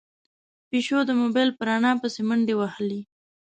پيشو د موبايل په رڼا پسې منډې وهلې.